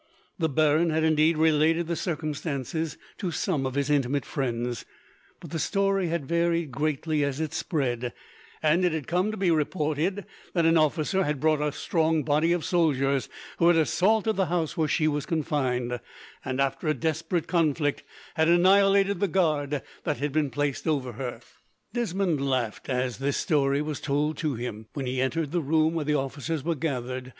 The baron had indeed related the circumstances to some of his intimate friends, but the story had varied greatly as it spread, and it had come to be reported that an officer had brought a strong body of soldiers, who had assaulted the house where she was confined, and, after a desperate conflict, had annihilated the guard that had been placed over her. Desmond laughed, as this story was told to him, when he entered the room where the officers were gathered.